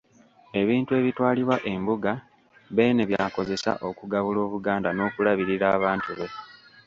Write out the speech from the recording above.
Ebintu ebitwalibwa Embuga, Beene by’akozesa okugabula Obuganda n’okulabirira abantu be.